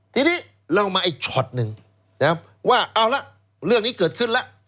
ทีนี้เรามาอีกช็อตหนึ่งว่าเอาละเรื่องนี้เกิดขึ้นแล้ว